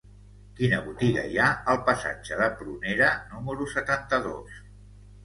Quina botiga hi ha al passatge de Prunera número setanta-dos?